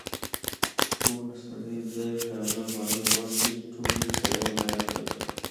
کوڼ سړي د کاږه غوایی غوښې ټولی څلور ځایه کړی